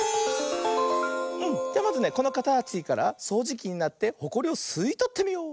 うんじゃまずねこのかたちからそうじきになってホコリをすいとってみよう。